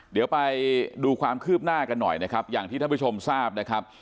เดี๋ยวไปดูความคืบหน้ากันหน่อยนะครับอย่างที่ท่านผู้ชมทราบนะครับ